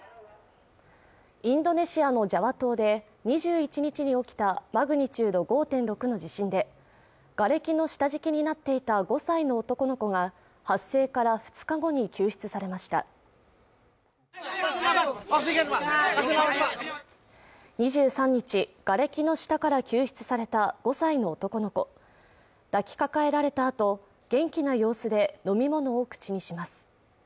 インドネシアのジャワ島で２１日に起きたマグニチュード５．６の地震でがれきの下敷きになっていた５歳の男の子が発生から２日後に救出されました２３日瓦礫の下から救出された５歳の男の子抱きかかえられたあと元気な様子で飲み物を口にします